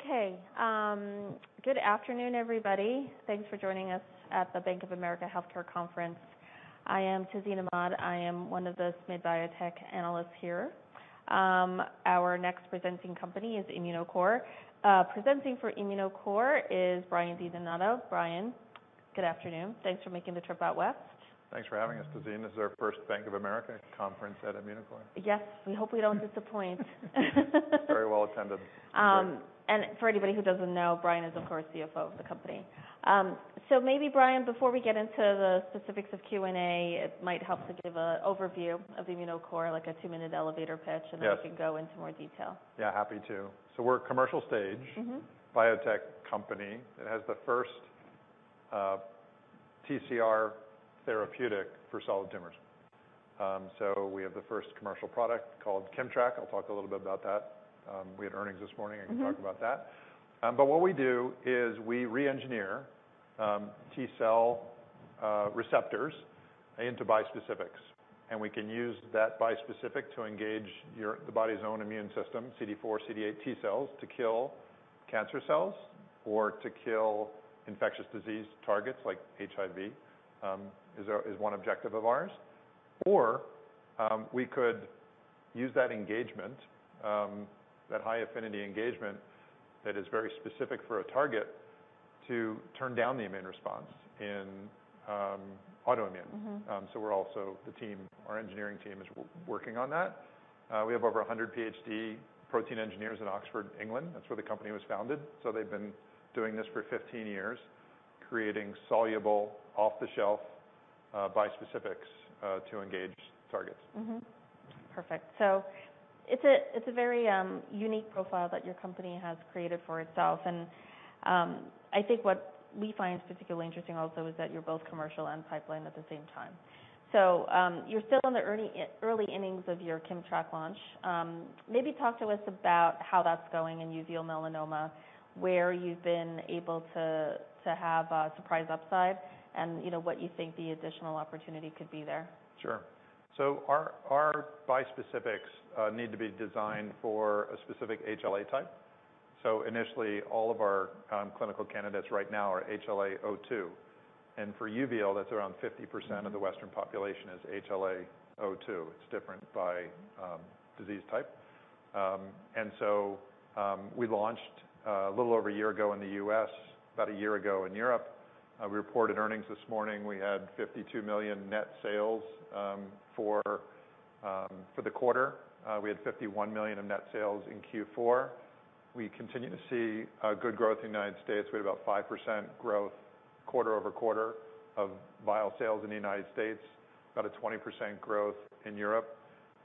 Okay. Good afternoon, everybody. Thanks for joining us at the Bank of America Health Care Conference. I am Tazeen Ahmad. I am one of the SMID Biotech analysts here. Our next presenting company is Immunocore. Presenting for Immunocore is Brian Di Donato. Brian, good afternoon. Thanks for making the trip out west. Thanks for having us, Tazeen. This is our first Bank of America conference at Immunocore. Yes. We hope we don't disappoint. Very well attended. It's great. For anybody who doesn't know, Brian is, of course, CFO of the company. Maybe Brian, before we get into the specifics of Q&A, it might help to give a overview of Immunocore, like a two-minute elevator pitch... Yes. Then we can go into more detail. Yeah, happy to. We're a commercial stage... -biotech company that has the first, TCR therapeutic for solid tumors. We have the first commercial product called KIMMTRAK. I'll talk a little bit about that. We had earnings this morning. I can talk about that. What we do is we re-engineer T-cell receptors into bispecifics, and we can use that bispecific to engage the body's own immune system, CD4/CD8 T-cells, to kill cancer cells or to kill infectious disease targets like HIV, is one objective of ours. We could use that engagement, that high affinity engagement that is very specific for a target to turn down the immune response in autoimmune. We're also. Our engineering team is working on that. We have over 100 PhD protein engineers in Oxford, England. That's where the company was founded. They've been doing this for 15 years, creating soluble off-the-shelf bispecifics to engage targets. Perfect. It's a very unique profile that your company has created for itself and, I think what we find particularly interesting also is that you're both commercial and pipeline at the same time. You're still in the early innings of your KIMMTRAK launch. Maybe talk to us about how that's going in uveal melanoma, where you've been able to have a surprise upside and, you know, what you think the additional opportunity could be there. Sure. Our bispecifics need to be designed for a specific HLA type. Initially, all of our clinical candidates right now are HLA-A*02:01, and for uveal, that's around 50%. of the Western population is HLA-A*02:01. It's different by disease type. We launched a little over a year ago in the U.S., about a year ago in Europe. We reported earnings this morning. We had $52 million net sales for the quarter. We had $51 million of net sales in Q4. We continue to see good growth in the United States. We had about 5% growth quarter-over-quarter of vial sales in the United States. About a 20% growth in Europe.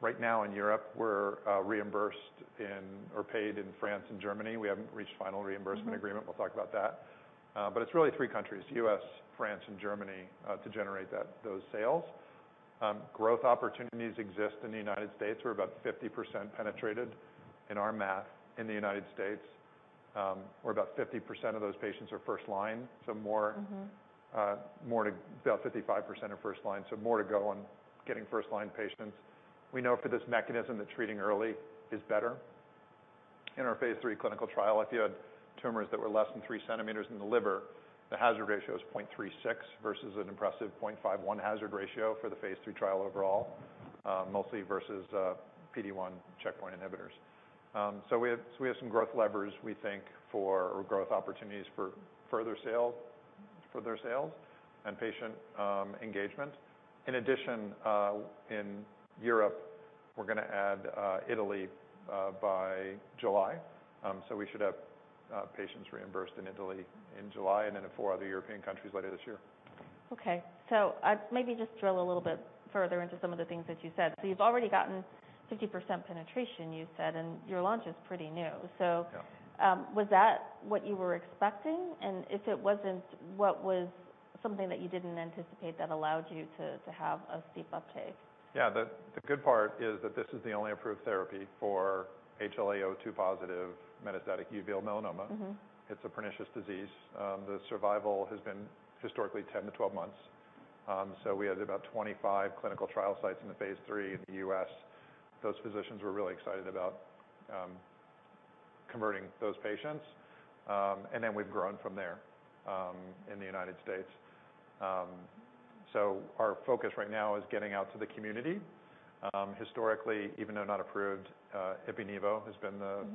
Right now in Europe, we're reimbursed in or paid in France and Germany. We haven't reached final reimbursement agreement. We'll talk about that. It's really three countries, the U.S., France, and Germany, to generate those sales. Growth opportunities exist in the United States. We're about 50% penetrated in our math in the United States, where about 50% of those patients are first line, so more. About 55% are first line, more to go on getting first line patients. We know for this mechanism that treating early is better. In our phase III clinical trial, if you had tumors that were less than 3 centimeters in the liver, the hazard ratio is 0.36 versus an impressive 0.51 hazard ratio for the phase III trial overall, mostly versus PD-1 checkpoint inhibitors. We have some growth levers we think for, or growth opportunities for further sales and patient engagement. In addition, in Europe, we're gonna add Italy by July. We should have patients reimbursed in Italy in July and then in 4 other European countries later this year. Okay. I'd maybe just drill a little bit further into some of the things that you said. You've already gotten 50% penetration, you said, and your launch is pretty new. Yeah. Was that what you were expecting? If it wasn't, what was something that you didn't anticipate that allowed you to have a steep uptake? Yeah. The good part is that this is the only approved therapy for HLA-A*02:01 positive metastatic uveal melanoma. It's a pernicious disease. The survival has been historically 10-12 months. We had about 25 clinical trial sites in the phase III in the U.S. Those physicians were really excited about converting those patients. We've grown from there in the United States. Our focus right now is getting out to the community. Historically, even though not approved, ipi/nivo has been the-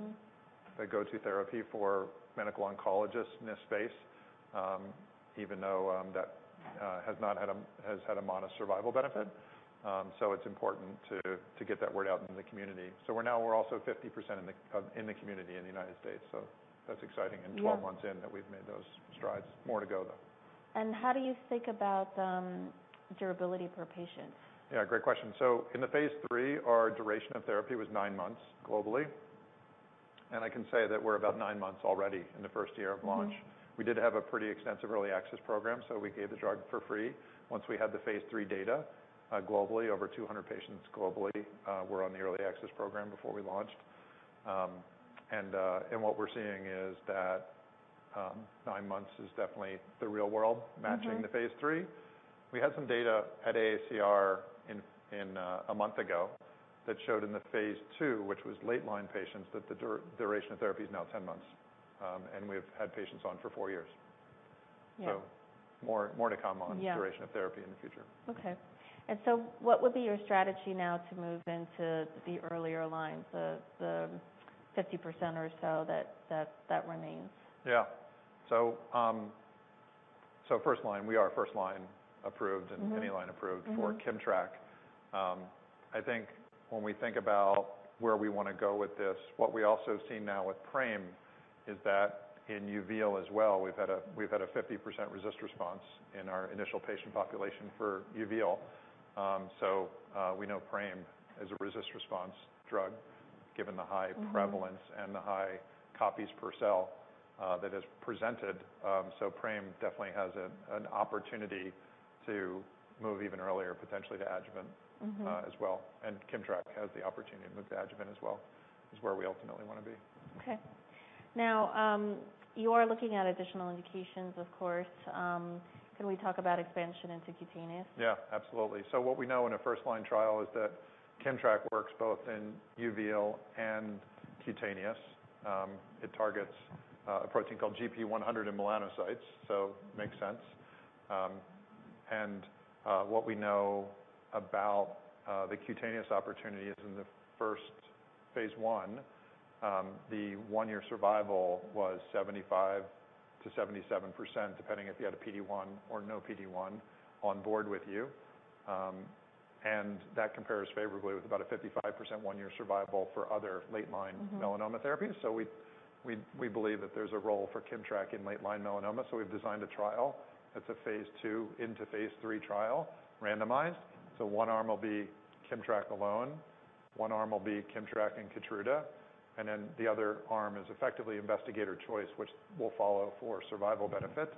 The go-to therapy for medical oncologists in this space, even though, that has had a modest survival benefit. It's important to get that word out into the community. We're also 50% in the community in the United States. That's exciting. Yeah. 12 months in that we've made those strides. More to go, though. How do you think about durability per patient? Yeah, great question. In the phase III, our duration of therapy was nine months globally, and I can say that we're about nine months already in the first year of launch. We did have a pretty extensive early access program, so we gave the drug for free once we had the phase III data globally. Over 200 patients globally were on the early access program before we launched. What we're seeing is that. 9 months is definitely the real world. ...matching the phase III. We had some data at AACR in a month ago that showed in the phase II, which was late-line patients, that the duration of therapy is now 10 months. We've had patients on for four years. Yeah. more to come. Yeah duration of therapy in the future. Okay. What would be your strategy now to move into the earlier lines, the 50% or so that, that remains? Yeah. first line, we are first line approved and- ...any line approved- ...for KIMMTRAK. I think when we think about where we wanna go with this, what we also see now with PRAME is that in uveal as well, we've had a 50% RECIST response in our initial patient population for uveal. We know PRAME is a RECIST response drug given the high- ...prevalence and the high copies per cell, that is presented. PRAME definitely has an opportunity to move even earlier, potentially to adjuvant. ...as well. KIMMTRAK has the opportunity to move to adjuvant as well. Is where we ultimately wanna be. Okay. you are looking at additional indications, of course. Can we talk about expansion into cutaneous? Yeah, absolutely. What we know in a first line trial is that KIMMTRAK works both in uveal and cutaneous. It targets a protein called GP100 in melanocytes, so makes sense. What we know about the cutaneous opportunity is in the first phase I, the one-year survival was 75%-77%, depending if you had a PD-1 or no PD-1 on board with you. That compares favorably with about a 55% one-year survival for other late line- melanoma therapies. We believe that there's a role for KIMMTRAK in late line melanoma, so we've designed a trial that's a phase II into phase III trial, randomized. One arm will be KIMMTRAK alone, one arm will be KIMMTRAK and KEYTRUDA, and then the other arm is effectively investigator choice, which we'll follow for survival benefit.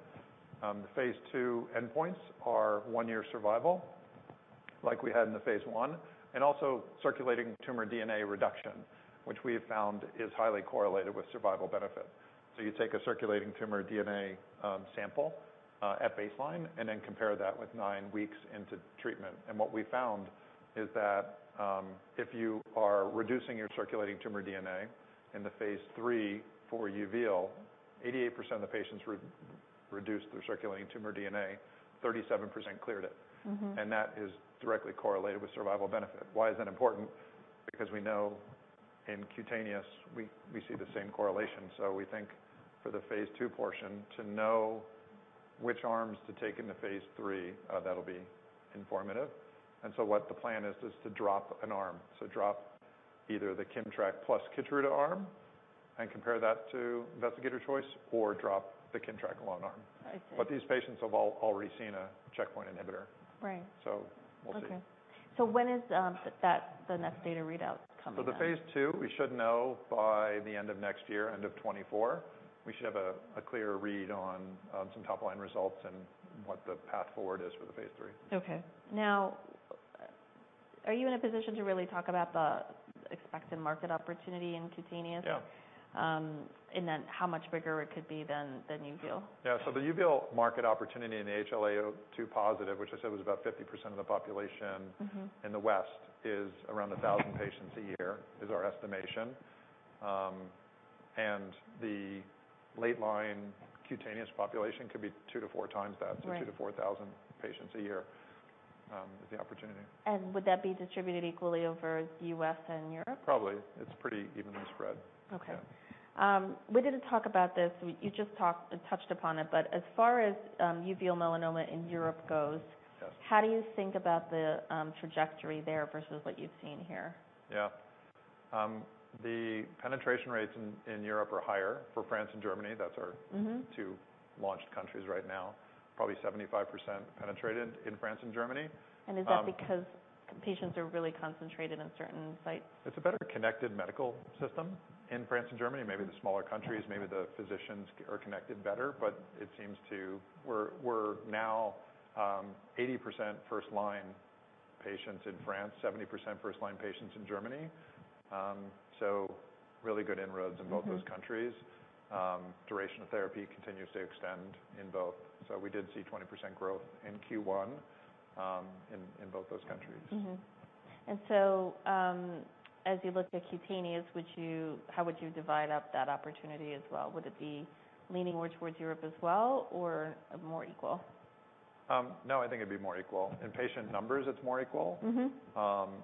The phase II endpoints are 1-year survival like we had in the phase I, and also circulating tumor DNA reduction, which we have found is highly correlated with survival benefit. You take a circulating tumor DNA sample at baseline and then compare that with 9 weeks into treatment. What we found is that, if you are reducing your circulating tumor DNA in the phase III for uveal, 88% of the patients re-reduced their circulating tumor DNA, 37% cleared it. That is directly correlated with survival benefit. Why is that important? We know in cutaneous we see the same correlation. We think for the phase II portion to know which arms to take into phase III, that'll be informative. What the plan is to drop an arm. Drop either the KIMMTRAK plus KEYTRUDA arm and compare that to investigator choice or drop the KIMMTRAK alone arm. I see. These patients have all already seen a checkpoint inhibitor. Right. We'll see. Okay. when is, that, the next data readout coming then? The phase II, we should know by the end of next year, end of 2024. We should have a clearer read on some top-line results and what the path forward is for the phase III. Now, are you in a position to really talk about the expected market opportunity in cutaneous? Yeah. How much bigger it could be than uveal? Yeah. the uveal market opportunity in the HLA-A2 positive, which I said was about 50% of the population... ...in the West, is around 1,000 patients a year, is our estimation. The late line cutaneous population could be 2-4 times that. Right 2,000-4,000 patients a year is the opportunity. Would that be distributed equally over the US and Europe? Probably. It's pretty evenly spread. Okay. Yeah. We didn't talk about this. You just touched upon it, but as far as, uveal melanoma in Europe goes... Yes ...how do you think about the trajectory there versus what you've seen here? The penetration rates in Europe are higher for France and Germany. ...two launched countries right now. Probably 75% penetrated in France and Germany. Is that because patients are really concentrated in certain sites? It's a better connected medical system in France and Germany. Maybe the smaller countries- Okay ...maybe the physicians are connected better. It seems to... We're now 80% first-line patients in France, 70% first-line patients in Germany. Really good inroads in both- ...those countries. duration of therapy continues to extend in both. We did see 20% growth in Q1, in both those countries. Mm-hmm. As you look to cutaneous, how would you divide up that opportunity as well? Would it be leaning more towards Europe as well or more equal? No, I think it'd be more equal. In patient numbers, it's more equal.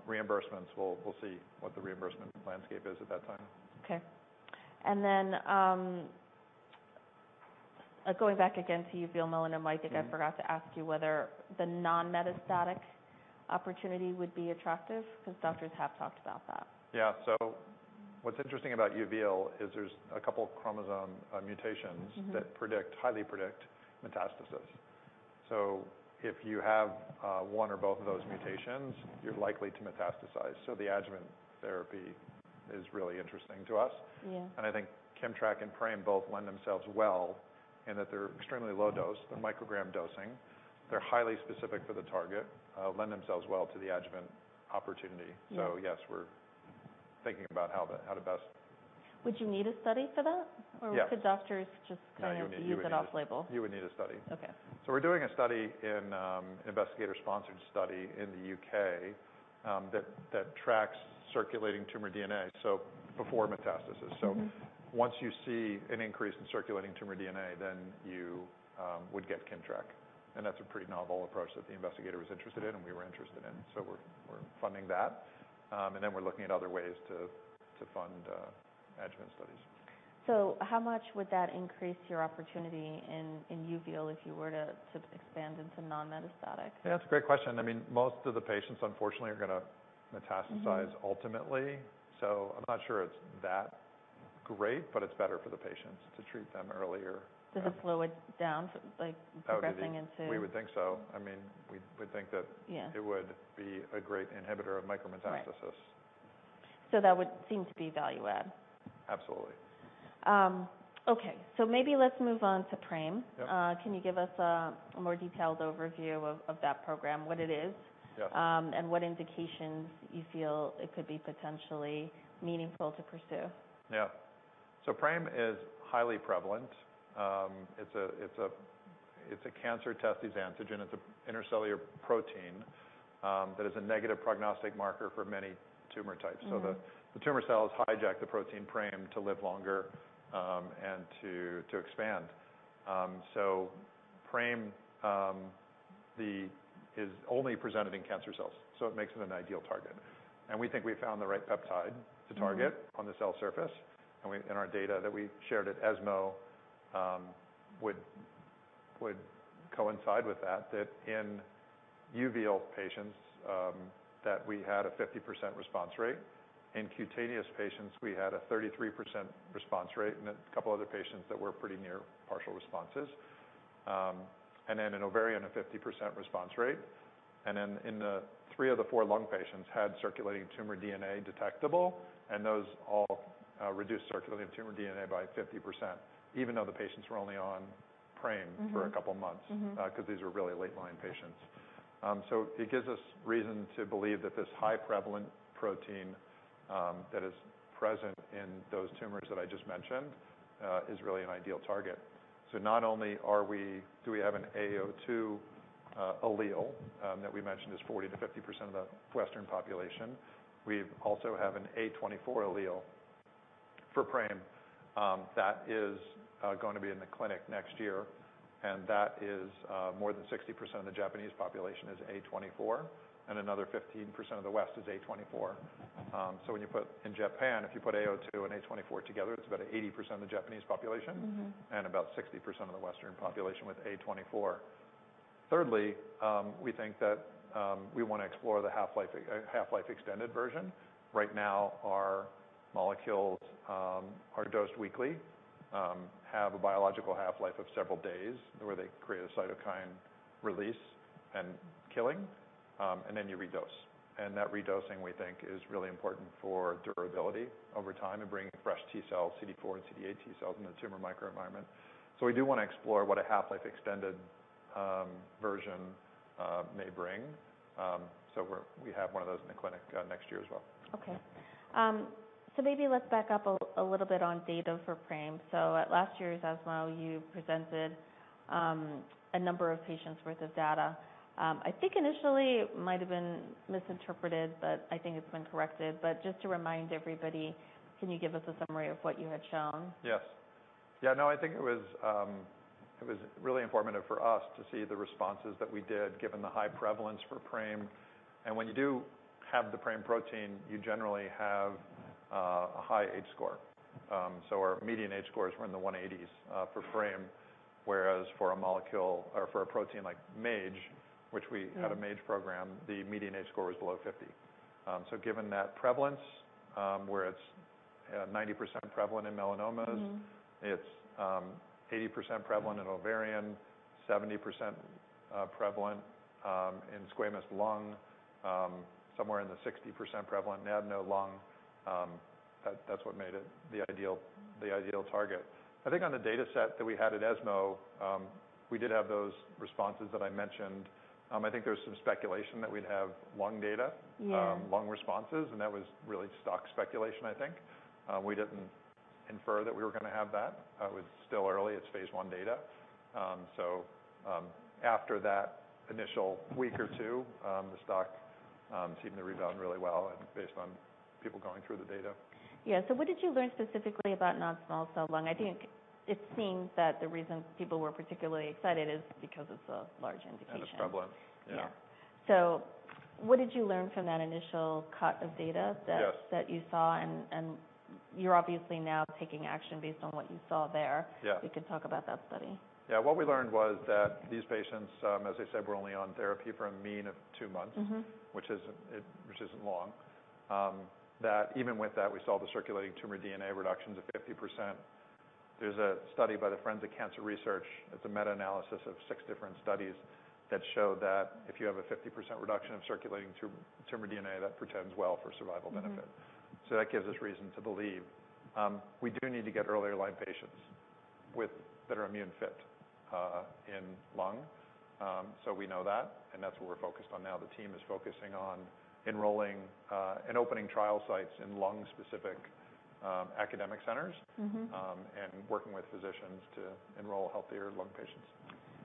reimbursements, we'll see what the reimbursement landscape is at that time. Okay. going back again to uveal melanoma. I think I forgot to ask you whether the non-metastatic opportunity would be attractive because doctors have talked about that. Yeah. What's interesting about uveal is there's a couple of chromosome, mutations. ...that predict, highly predict metastasis. If you have, one or both of those mutations, you're likely to metastasize. The adjuvant therapy is really interesting to us. Yeah. I think KIMMTRAK and PRAME both lend themselves well in that they're extremely low dose, they're microgram dosing. They're highly specific for the target, lend themselves well to the adjuvant opportunity. Yeah. yes, we're thinking about how to. Would you need a study for that? Yes. Could doctors just. No, you would. use it off-label. You would need a study. Okay. We're doing a study in, investigator-sponsored study in the UK that tracks circulating tumor DNA, so before metastasis. Once you see an increase in circulating tumor DNA, then you would get KIMMTRAK. That's a pretty novel approach that the investigator was interested in, and we were interested in. We're funding that. We're looking at other ways to fund adjuvant studies. How much would that increase your opportunity in uveal if you were to expand into non-metastatic? Yeah, that's a great question. I mean, most of the patients, unfortunately, are gonna metastasize- ...ultimately. I'm not sure it's that great, but it's better for the patients to treat them earlier. Does it slow it down like? Oh, do you think? progressing into We would think so. I mean, we would think. Yeah it would be a great inhibitor of micro-metastasis. Right. That would seem to be value add. Absolutely. Okay. Maybe let's move on to PRAME. Yep. Can you give us a more detailed overview of that program, what it is? Yeah... and what indications you feel it could be potentially meaningful to pursue? Yeah. PRAME is highly prevalent. It's a cancer-testis antigen. It's a intracellular protein that is a negative prognostic marker for many tumor types. The tumor cells hijack the protein PRAME to live longer, and to expand. PRAME is only presented in cancer cells, so it makes it an ideal target. We think we've found the right peptide to target. on the cell surface. In our data that we shared at ESMO, would coincide with that in uveal patients, that we had a 50% response rate. In cutaneous patients, we had a 33% response rate, and a couple other patients that were pretty near partial responses. In ovarian, a 50% response rate. In the 3 of the 4 lung patients had circulating tumor DNA detectable, and those all reduced circulating tumor DNA by 50%, even though the patients were only on PRAME- ...for a couple months. 'Cause these were really late-line patients. It gives us reason to believe that this high-prevalent protein that is present in those tumors that I just mentioned is really an ideal target. Not only do we have an A02 allele that we mentioned is 40%-50% of the Western population, we also have an A24 allele for PRAME that is gonna be in the clinic next year. That is more than 60% of the Japanese population is A24, and another 15% of the West is A24. In Japan, if you put A02 and A24 together, it's about 80% of the Japanese population. About 60% of the Western population with A24. Thirdly, we think that, we wanna explore the half-life, half-life extended version. Right now, our molecules are dosed weekly, have a biological half-life of several days, where they create a cytokine release and killing, and then you redose. That redosing, we think, is really important for durability over time and bringing fresh T-cell, CD4 and CD8 T-cells in the tumor microenvironment. We do wanna explore what a half-life extended version may bring. We have one of those in the clinic next year as well. Okay. Maybe let's back up a little bit on data for PRAME. At last year's ESMO, you presented a number of patients' worth of data. I think initially it might have been misinterpreted, but I think it's been corrected. Just to remind everybody, can you give us a summary of what you had shown? Yes. Yeah, no, I think it was really informative for us to see the responses that we did given the high prevalence for PRAME. When you do have the PRAME protein, you generally have a high H score. So our median H score is we're in the 180s for PRAME, whereas for a molecule or for a protein like MAGE. a MAGE program, the median H score was below 50. Given that prevalence, where it's, 90% prevalent in melanomas- ...it's 80% prevalent in ovarian, 70% prevalent in squamous lung, somewhere in the 60% prevalent in adeno lung, that's what made it the ideal target. I think on the dataset that we had at ESMO, we did have those responses that I mentioned. I think there was some speculation that we'd have lung data- ...lung responses, that was really stock speculation, I think. We didn't infer that we were gonna have that. It's still early. It's phase I data. After that initial week or two, the stock seemed to rebound really well and based on people going through the data. Yeah. What did you learn specifically about non-small cell lung? I think it seemed that the reason people were particularly excited is because of the large indication. It's prevalent. Yeah. Yeah. What did you learn from that initial cut of data that-? Yes ...that you saw and you're obviously now taking action based on what you saw there. Yeah. You can talk about that study. Yeah. What we learned was that these patients, as I said, were only on therapy for a mean of two months. ...which isn't, which isn't long. That even with that, we saw the circulating tumor DNA reductions of 50%. There's a study by the Friends of Cancer Research. It's a meta-analysis of six different studies that show that if you have a 50% reduction of circulating tumor DNA, that portends well for survival benefit. That gives us reason to believe. We do need to get earlier line patients with that are immune fit in lung. We know that, and that's what we're focused on now. The team is focusing on enrolling and opening trial sites in lung specific academic centers. Working with physicians to enroll healthier lung patients.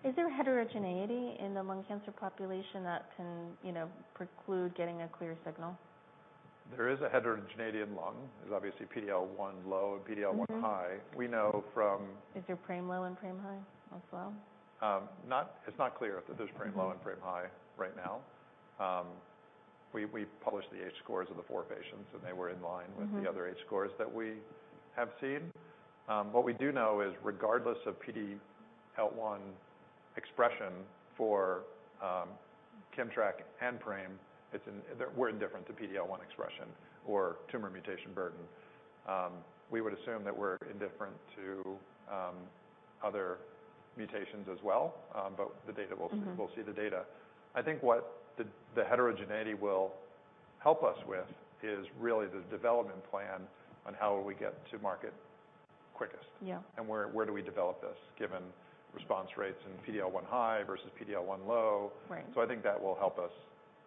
Is there heterogeneity in the lung cancer population that can, you know, preclude getting a clear signal? There is a heterogeneity in lung. There's obviously PDL1 low and PDL1 high. We know Is there PRAME low and PRAME high as well? It's not clear if there's PRAME low and PRAME high right now. We published the H scores of the four patients, they were in line with. ...the other H scores that we have seen. What we do know is regardless of PDL1 expression for KIMMTRAK and PRAME, they were different to PDL1 expression or tumor mutational burden. We would assume that we're indifferent to other mutations as well, but the data will- ...we'll see the data. I think what the heterogeneity will help us with is really the development plan on how will we get to market quickest. Yeah. Where do we develop this given response rates in PDL1 high versus PDL1 low? Right. I think that will help us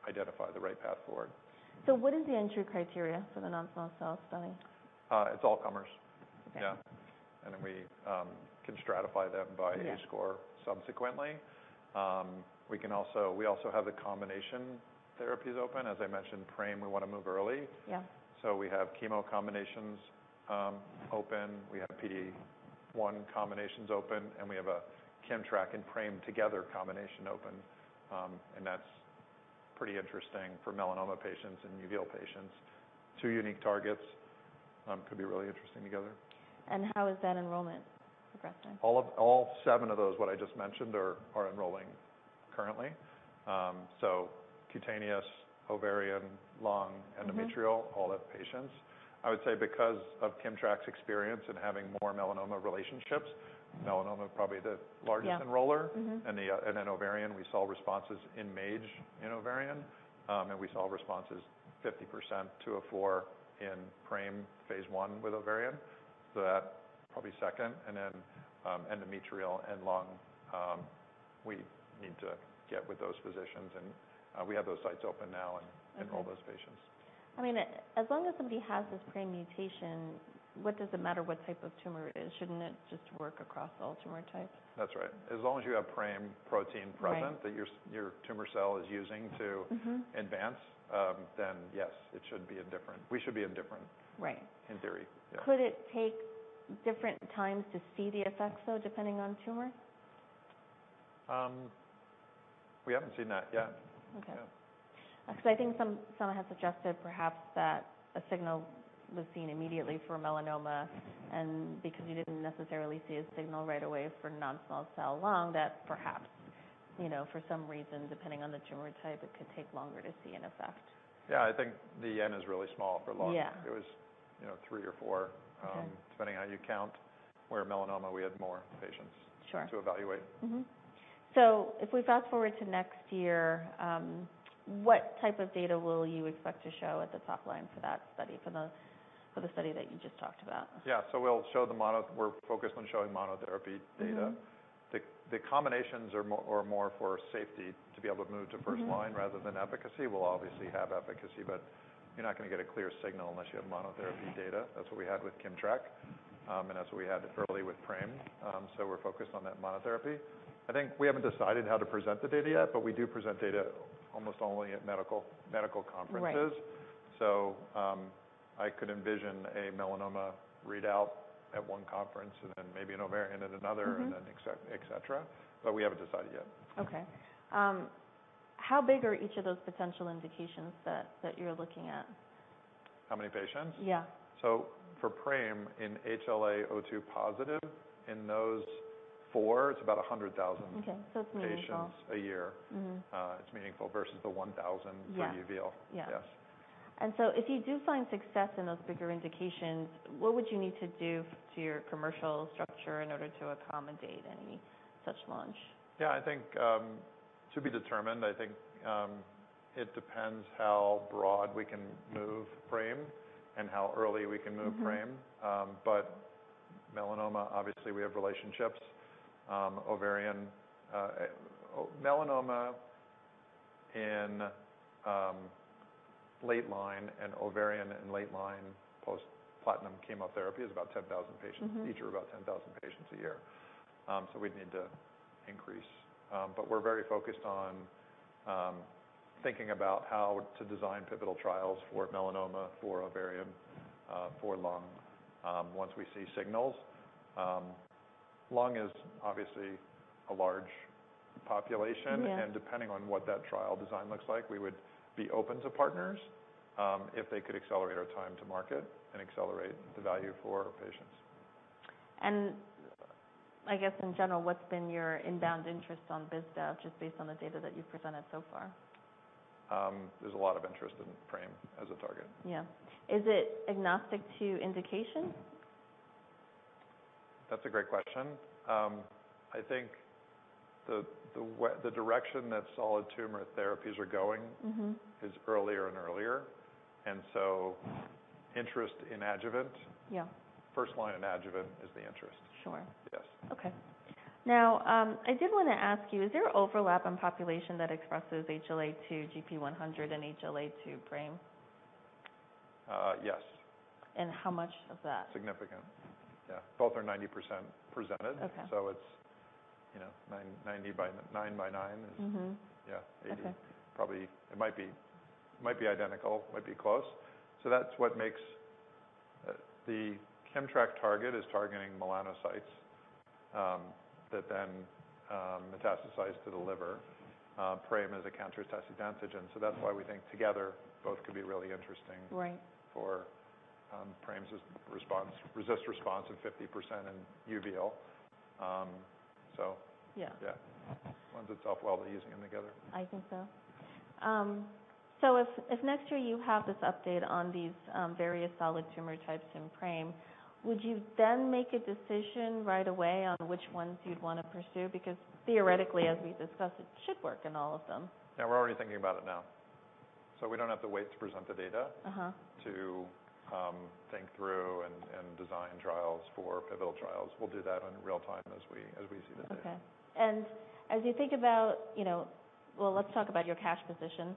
identify the right path forward. What is the entry criteria for the non-small cell study? It's all comers. Okay. Yeah. we, can stratify them. Yeah ...H score subsequently. We also have the combination therapies open. As I mentioned, PRAME, we wanna move early. Yeah. We have chemo combinations open. We have PD-1 combinations open, and we have a KIMMTRAK and PRAME together combination open. That's pretty interesting for melanoma patients and uveal patients. 2 unique targets could be really interesting together. How is that enrollment progressing? All seven of those, what I just mentioned are enrolling currently. cutaneous, ovarian, lung-. ...endometrial, all the patients. I would say because of KIMMTRAK's experience in having more melanoma relationships- ...melanoma probably the largest enroller. Yeah. In ovarian we saw responses in MAGE, in ovarian. We saw responses 50% to A24 in PRAME phase I with ovarian, so that probably second. Then endometrial and lung, we need to get with those physicians and we have those sites open now. Okay enroll those patients. I mean, as long as somebody has this PRAME mutation, what does it matter what type of tumor it is? Shouldn't it just work across all tumor types? That's right. As long as you have PRAME protein present- Right ...that your tumor cell is using. ...advance, then yes, it should be indifferent. We should be indifferent- Right in theory. Yeah. Could it take different times to see the effects though, depending on tumor? we haven't seen that yet. Okay. Yeah. Because I think some, someone had suggested perhaps that a signal was seen immediately for melanoma, and because you didn't necessarily see a signal right away for non-small cell lung, that perhaps, you know, for some reason, depending on the tumor type, it could take longer to see an effect. Yeah. I think the N is really small for lung. Yeah. It was, you know, three or four- Okay depending on how you count. Where melanoma, we had more patients. Sure ...to evaluate. If we fast-forward to next year, what type of data will you expect to show at the top line for that study that you just talked about? Yeah. We're focused on showing monotherapy data. The combinations are more for safety to be able to move to first line. ...rather than efficacy. We'll obviously have efficacy, but you're not gonna get a clear signal unless you have monotherapy data. That's what we had with KIMMTRAK, and that's what we had early with PRAME. We're focused on that monotherapy. I think we haven't decided how to present the data yet, but we do present data almost only at medical conferences. Right. I could envision a melanoma readout at one conference and then maybe an ovarian at another. Et cetera, but we haven't decided yet. Okay. How big are each of those potential indications that you're looking at? How many patients? Yeah. For PRAME in HLA-A02 positive, in those four, it's about 100,000. Okay. It's meaningful ...patients a year. It's meaningful versus the 1,000. Yeah for uveal. Yeah. Yes. If you do find success in those bigger indications, what would you need to do to your commercial structure in order to accommodate any such launch? I think, to be determined. I think, it depends how broad we can move PRAME and how early we can move PRAME. melanoma obviously we have relationships. ovarian. Melanoma in late line and ovarian in late line post-platinum chemotherapy is about 10,000 patients. Each are about 10,000 patients a year. We'd need to increase. We're very focused on thinking about how to design pivotal trials for melanoma, for ovarian, for lung, once we see signals. Lung is obviously a large population. Yeah. Depending on what that trial design looks like, we would be open to partners, if they could accelerate our time to market and accelerate the value for patients. I guess in general, what's been your inbound interest on ImmTAC just based on the data that you've presented so far? There's a lot of interest in PRAME as a target. Yeah. Is it agnostic to indication? That's a great question. The direction that solid tumor therapies are going- is earlier and earlier. Interest in adjuvant Yeah First line in adjuvant is the interest. Sure. Yes. I did wanna ask you, is there overlap in population that expresses HLA class II GP100 and HLA class II PRAME? yes. How much of that? Significant. Yeah. Both are 90% presented. Okay. it's, you know, 990 by... 9 by 9 is- Yeah. Okay. 80 probably. It might be, it might be identical. It might be close. That's what makes the KIMMTRAK target is targeting melanocytes that then metastasize to the liver. PRAME is a cancer-test antigens. That's why we think together both could be really interesting- Right for, PRAME's RECIST response in 50% in uveal. Yeah. Yeah. Ones that's off well, we're using them together. I think so. If next year you have this update on these, various solid tumor types in PRAME, would you then make a decision right away on which ones you'd wanna pursue? Theoretically, as we've discussed, it should work in all of them. Yeah, we're already thinking about it now. We don't have to wait to present the data- to, think through and design trials for pivotal trials. We'll do that in real time as we see the data. Okay. As you think about, you know, well, let's talk about your cash position.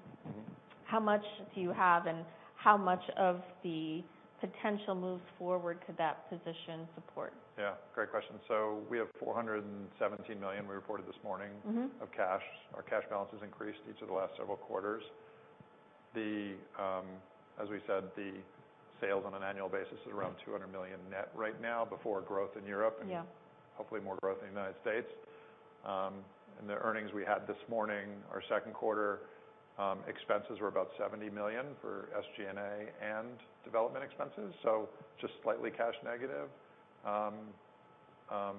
How much do you have, and how much of the potential move forward could that position support? Yeah, great question. We have $417 million we reported this morning. of cash. Our cash balance has increased each of the last several quarters. The, as we said, the sales on an annual basis is around $200 million net right now before growth in Europe. Yeah Hopefully more growth in the United States. The earnings we had this morning, our second quarter, expenses were about $70 million for SG&A and development expenses, so just slightly cash negative. The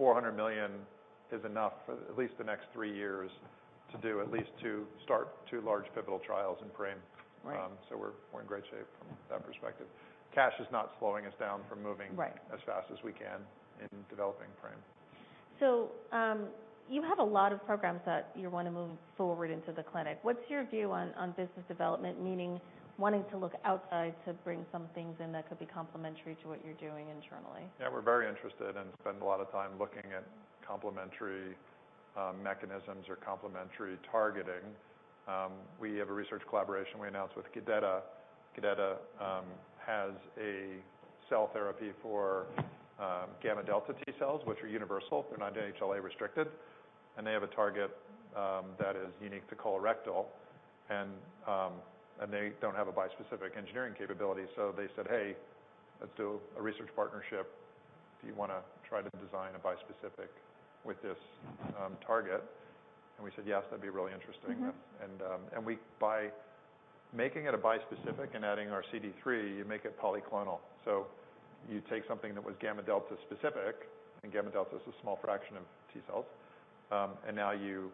$400 million is enough for at least the next three years to start two large pivotal trials in PRAME. Right. We're in great shape from that perspective. Cash is not slowing us down. Right as fast as we can in developing PRAME. You have a lot of programs that you wanna move forward into the clinic. What's your view on business development? Meaning wanting to look outside to bring some things in that could be complementary to what you're doing internally. We're very interested and spend a lot of time looking at complementary mechanisms or complementary targeting. We have a research collaboration we announced with Gadeta. Gadeta has a cell therapy for gamma delta T cells, which are universal. They're not HLA restricted, and they have a target that is unique to colorectal and they don't have a bispecific engineering capability. They said, "Hey, let's do a research partnership. Do you wanna try to design a bispecific with this target?" We said, "Yes, that'd be really interesting. By making it a bispecific and adding our CD3, you make it polyclonal. You take something that was gamma delta specific, and gamma delta is a small fraction of T cells. Now you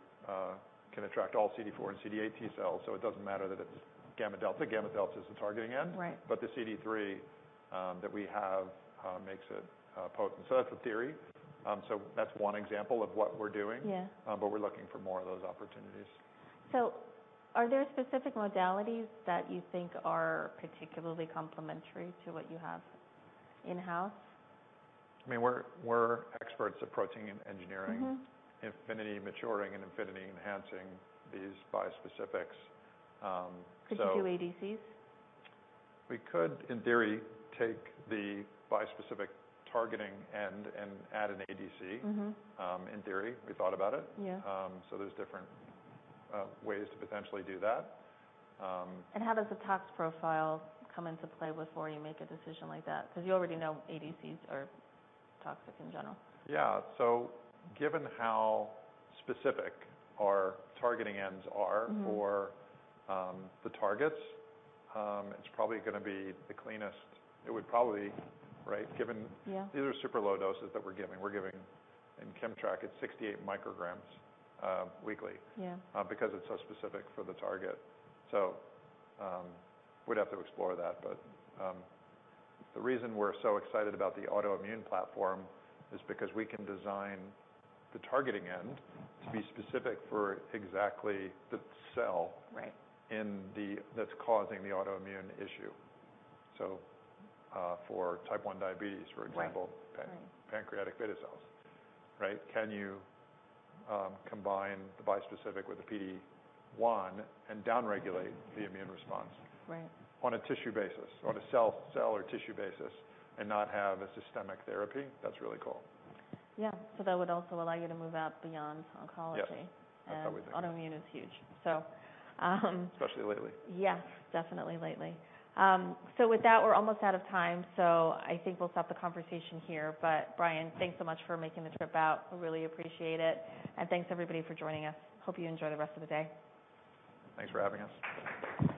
can attract all CD4 and CD8 T cells, so it doesn't matter that it's gamma delta. Gamma delta is the targeting end. Right. The CD3, that we have, makes it, potent. That's a theory. That's one example of what we're doing. Yeah. We're looking for more of those opportunities. Are there specific modalities that you think are particularly complementary to what you have in-house? I mean, we're experts at protein engineering. affinity maturing and affinity-enhancing these bispecifics. Could you do ADCs? We could, in theory, take the bispecific targeting end and add an ADC. In theory. We thought about it. Yeah. There's different ways to potentially do that. How does the tox profile come into play before you make a decision like that? 'Cause you already know ADCs are toxic in general. Yeah. given how specific our targeting ends are- for, the targets, it's probably gonna be the cleanest. It would probably... Right? Given- Yeah These are super low doses that we're giving. We're giving in KIMMTRAK, it's 68 micrograms weekly. Yeah Because it's so specific for the target. We'd have to explore that. The reason we're so excited about the autoimmune platform is because we can design the targeting end- Right to be specific for exactly the cell. Right that's causing the autoimmune issue. For type 1 diabetes, for example. Right. Right. pancreatic beta cells. Right? Can you combine the bispecific with the PD-1 and down-regulate the immune response? Right -on a tissue basis. On a cell or tissue basis, and not have a systemic therapy? That's really cool. Yeah. That would also allow you to move out beyond oncology. Yeah. That's how we think. Autoimmune is huge. Especially lately. Yes, definitely lately. With that, we're almost out of time, so I think we'll stop the conversation here. Brian, thanks so much for making the trip out. We really appreciate it. thanks everybody for joining us. Hope you enjoy the rest of the day. Thanks for having us.